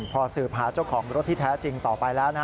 พอสืบหาเจ้าของรถที่แท้จริงต่อไปแล้ว